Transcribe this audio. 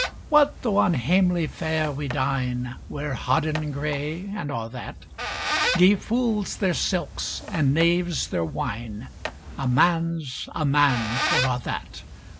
What tho' on hamely fare we dine, Wear hodden gray, and a' that; Gie fools their silks, and knaves their wine, A man's a man for a' that.